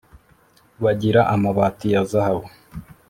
bagira amabati ya zahabu